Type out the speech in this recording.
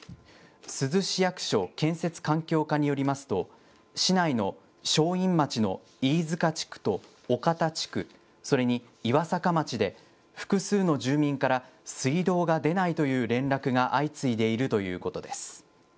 珠洲市役所建設環境課によりますと、市内の正院町の飯塚地区と岡田地区、それに岩坂町で複数の住民から、水道が出ないという連絡が相次いでいるということです。